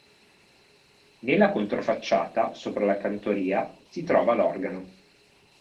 Nella controfacciata sopra la cantoria si trova l'organo.